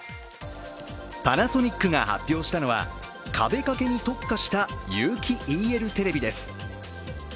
パナソニックが発表したのは壁掛けに特化した有機ＥＬテレビです。